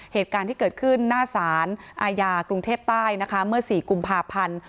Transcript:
เหตุการณ์ที่เกิดขึ้นหน้าสารอาญากรุงเทพใต้นะคะเมื่อ๔กุมภาพันธ์